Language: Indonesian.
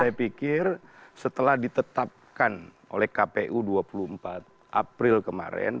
saya pikir setelah ditetapkan oleh kpu dua puluh empat april kemarin